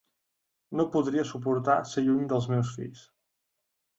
No podria suportar ser lluny dels meus fills.